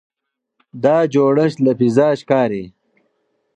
دا جوړښت له فضا ښکاري.